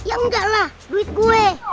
ya enggak lah duit gue